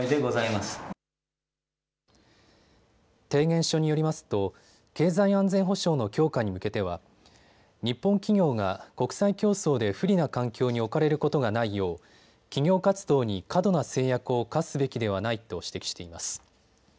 提言書によりますと経済安全保障の強化に向けては日本企業が国際競争で不利な環境に置かれることがないよう企業活動に過度な制約を課すべきではないと指摘しています。